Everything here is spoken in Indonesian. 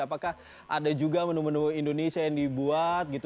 apakah ada juga menu menu indonesia yang dibuat gitu